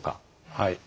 はい。